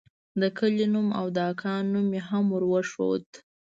د کلي نوم او د اکا نوم مې هم وروښود.